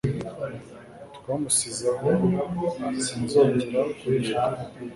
Twamusize aho Sinzongera kubivuga